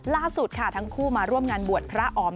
ล่าสุดค่ะทั้งคู่มาร่วมงานบวชพระอ๋อม